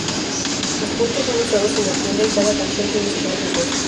Los puntos son usados en la tienda y cada canción tiene su propio costo.